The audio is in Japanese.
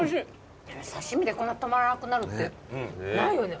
刺し身でこんな止まらなくなるってないよね。